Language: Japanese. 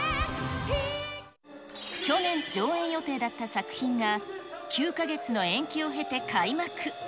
去年、上演予定だった作品が、９か月の延期を経て開幕。